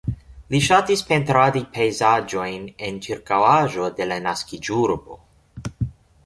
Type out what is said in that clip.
Li ŝatis pentradi pejzaĝojn en ĉirkaŭaĵo de la naskiĝurbo.